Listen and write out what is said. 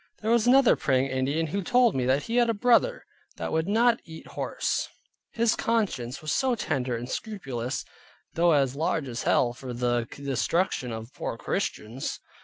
There was another Praying Indian, who told me, that he had a brother, that would not eat horse; his conscience was so tender and scrupulous (though as large as hell, for the destruction of poor Christians).